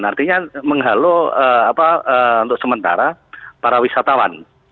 artinya menghalau untuk sementara para wisatawan